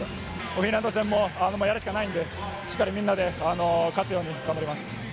フィンランド戦もやるしかないんで、しっかりみんなで勝つように、頑張ります。